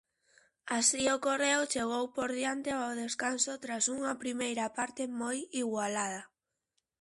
Así, o correo chegou por diante ao descanso tras unha primeira parte moi igualada.